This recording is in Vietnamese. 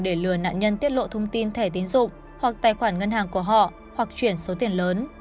để lừa nạn nhân tiết lộ thông tin thẻ tiến dụng hoặc tài khoản ngân hàng của họ hoặc chuyển số tiền lớn